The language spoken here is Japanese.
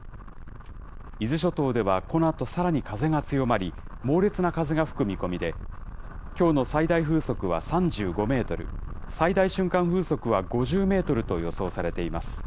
伊豆諸島ではこのあとさらに風が強まり、猛烈な風が吹く見込みで、きょうの最大風速は３５メートル、最大瞬間風速は５０メートルと予想されています。